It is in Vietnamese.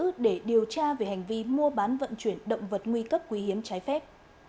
nguyễn thị hà đã được giữ để điều tra về hành vi mua bán vận chuyển động vật nguy cấp quý hiếm trái phép